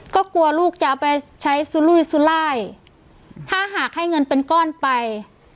ก็กลัวลูกจะเอาไปใช้สุลุยสุรายถ้าหากให้เงินเป็นก้อนไป